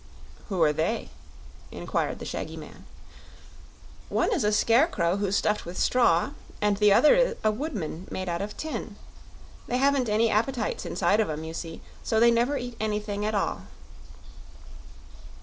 "Who are they?" inquired the shaggy man. "One is a scarecrow who's stuffed with straw, and the other a woodman made out of tin. They haven't any appetites inside of 'em, you see; so they never eat anything at all."